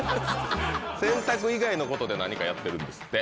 洗濯以外のことで何かやってるんですって。